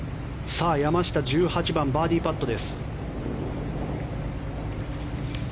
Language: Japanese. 山下、１８番バーディーパット。